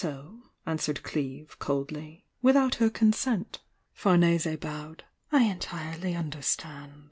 o ' an swered Cleeve, coldly, "without her consent.'^' Jjamese bowed. •I entirely understand!